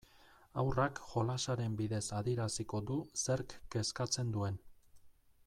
Haurrak jolasaren bidez adieraziko du zerk kezkatzen duen.